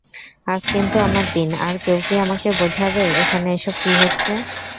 আজ কিন্তু আমার দিন, আর কেউ কি আমাকে বোঝাবে এখানে এসব কী হচ্ছে!